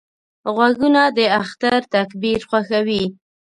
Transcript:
غوږونه د اختر تکبیر خوښوي